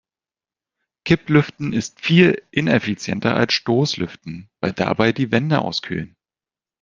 Kipplüften ist viel ineffizienter als Stoßlüften, weil dabei die Wände auskühlen.